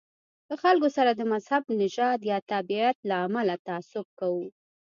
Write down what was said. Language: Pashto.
له خلکو سره د مذهب، نژاد یا تابعیت له امله تعصب کوو.